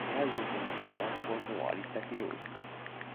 手始めに参考書をありったけ用意する